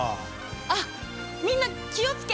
あっみんな気を付け！